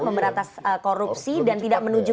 memberantas korupsi dan tidak menuju